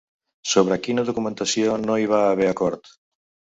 Sobre quina documentació no hi va haver acord?